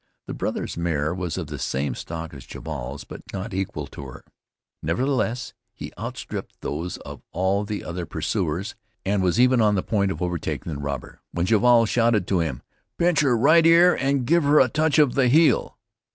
The brother's mare was of the same stock as Jabal's but was not equal to her; nevertheless, he outstripped those of all the other pursuers, and was even on the point of overtaking the robber, when Jabal shouted to him: "Pinch her right ear and give her a touch of the heel."